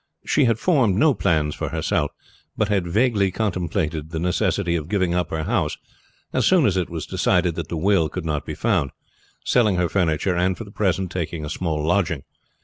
She had formed no plans for herself, but had vaguely contemplated the necessity of giving up her house as soon as it was decided that the will could not be found, selling her furniture, and for the present taking a small lodging.